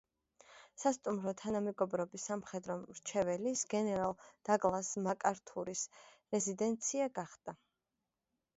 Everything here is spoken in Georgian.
სასტუმრო თანამეგობრობის სამხედრო მრჩევლის, გენერალ დაგლას მაკართურის რეზიდენცია გახდა.